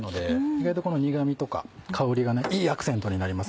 意外とこの苦みとか香りがいいアクセントになります。